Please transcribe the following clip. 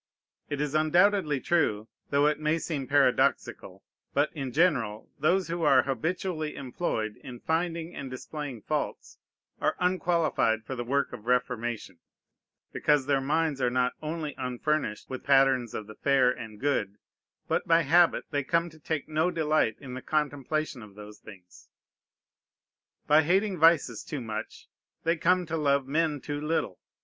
It is undoubtedly true, though it may seem paradoxical, but, in general, those who are habitually employed in finding and displaying faults are unqualified for the work of reformation; because their minds are not only unfurnished with patterns of the fair and good, but by habit they come to take no delight in the contemplation of those things. By hating vices too much, they come to love men too little.